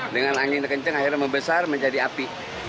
dengan angin kencang akhirnya membesar menjadi api